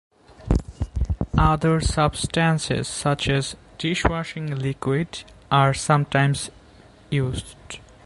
Other substances, such as dishwashing liquid, are sometimes used.